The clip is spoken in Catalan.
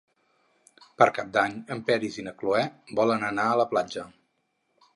Per Cap d'Any en Peris i na Cloè volen anar a la platja.